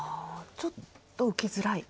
ちょっと受けづらい。